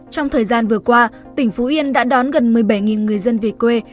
trong thời gian vừa qua tỉnh phú yên đã đón gần một mươi bảy người dân về quê